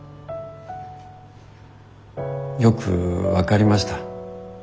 よく分かりました。